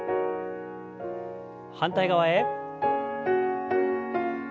反対側へ。